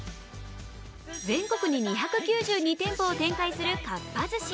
全国に２９２店舗を展開するかっぱ寿司。